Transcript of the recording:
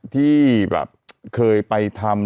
ที่เคยไปทำ